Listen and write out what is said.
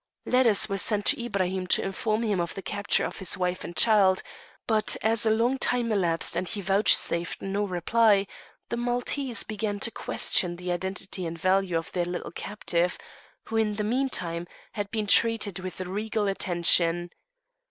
Letters were sent to Ibrahim to inform him of the capture of his wife and child; but as a long time elapsed and he vouchsafed no reply, the Maltese began to question the identity and value of their little captive, who, in the meantime, had been treated with regal attention.